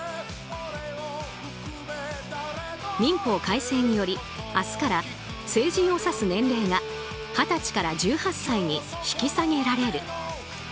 民法改正により明日から成人を指す年齢が二十歳から１８歳に引き下げられる。